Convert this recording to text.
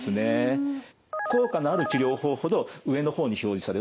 「効果のある治療法ほど上のほうに表示される」。